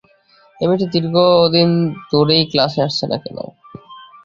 এই মেয়েটি দীর্ঘদিন ধরেই ক্লাসে আসছে না কেন?